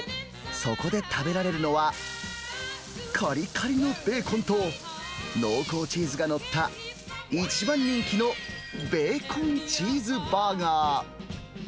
そこで食べられるのは、かりかりのベーコンと、濃厚チーズが載った、一番人気のベーコンチーズバーガー。